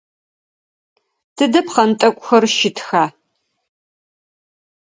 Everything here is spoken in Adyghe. Тыдэ пхъэнтӏэкӏухэр щытыха?